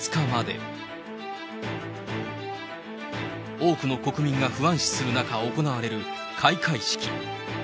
多くの国民が不安視する中行われる開会式。